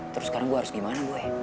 terus sekarang gue harus gimana gue